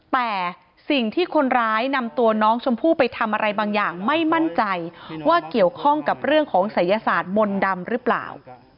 แต่สิ่งที่คนร้ายนำตัวน้องชมพู่ไปทำอะไรบางอย่างไม่มั่นใจว่าเกี่ยวข้องกับเรื่องของศัยศาสตร์มนต์ดำหรือเปล่า